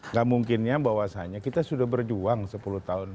nggak mungkinnya bahwasannya kita sudah berjuang sepuluh tahun